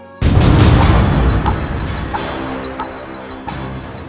bukan kak uakmu